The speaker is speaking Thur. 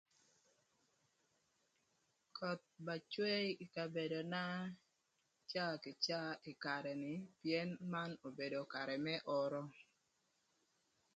Köth ba cwe ï kabedona caa kï caa ï karë ni pïën man obedo karë më oro.